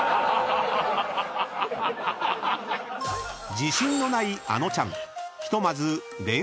［自信のないあのちゃん］